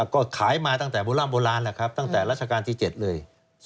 ก็ขายมาตั้งแต่โบราณโบราณแหละครับตั้งแต่รัชกาลที่๗เลย